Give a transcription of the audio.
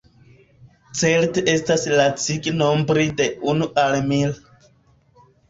Certe estas lacige nombri de unu al mil.